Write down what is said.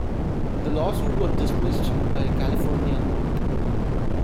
The lawsuit was dismissed by a California court.